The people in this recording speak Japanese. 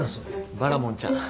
バラモンちゃん。